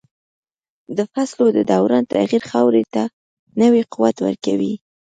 د فصلو د دوران تغییر خاورې ته نوی قوت ورکوي.